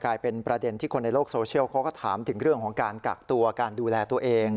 กลายเป็นประเด็นที่คนในโลกโซเชียลเขาก็ถามถึงเรื่องของการกักตัวการดูแลตัวเอง